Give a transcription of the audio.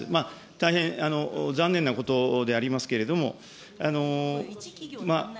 大変残念なことでありますけれども。